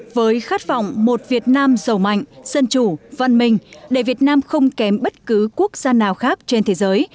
với khát vọng một việt nam giàu mạnh dân chủ văn minh để việt nam không kém bất cứ quốc gia nào khác trên thế giới